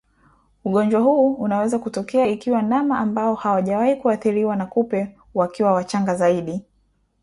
ugonjwa huu unaweza kutokea ikiwa ndama ambao hawajawahi kuathiriwa na kupe wakiwa wachanga zaidi